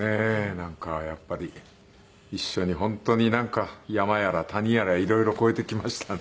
なんかやっぱり一緒に本当になんか山やら谷やら色々越えてきましたね。